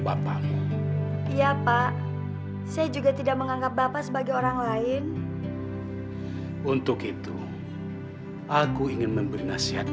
bapakmu iya pak saya juga tidak menganggap bapak sebagai orang lain untuk itu aku ingin memberi nasihat